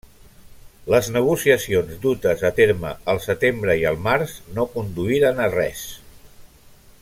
Les negociacions dutes a terme al setembre i al març no conduïren a res.